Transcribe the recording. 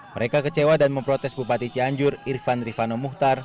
mereka kecewa dan memprotes bupati cianjur irfan rifano muhtar